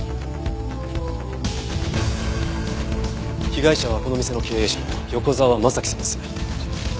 被害者はこの店の経営者の横沢征さんです。